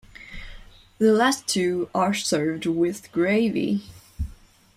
The last two are served with gravy.